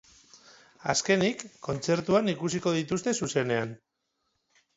Azkenik, kontzertuan ikusiko dituzte zuzenean.